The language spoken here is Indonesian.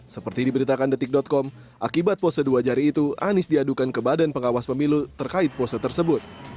seperti diberitakan detik com akibat pose dua jari itu anies diadukan ke badan pengawas pemilu terkait pose tersebut